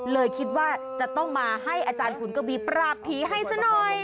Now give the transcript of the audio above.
เลยคิดว่าจะต้องมาให้อาจารย์ขุนกบีปราบผีให้ซะหน่อย